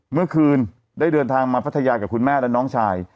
เมื่อคืนได้เดินทางมาพัทยากับคุณแม่และน้องชาย